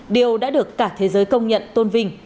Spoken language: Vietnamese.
điều đã được cả thế giới công nhận tôn vinh